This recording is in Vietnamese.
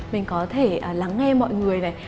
mình có thể lắng nghe mọi người này